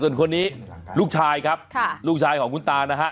ส่วนคนนี้ลูกชายครับลูกชายของคุณตานะฮะ